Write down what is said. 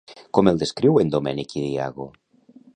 Com el descriuen Domènec i Diago?